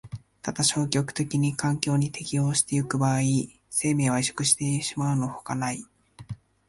ただ消極的に環境に適応してゆく場合、生命は萎縮してしまうのほかない。